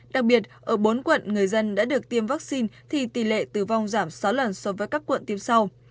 đặc biệt ở bốn quận người dân đã được tiêm vaccine thì tỷ lệ tử vong giảm sáu lần so với các quận tiêm sau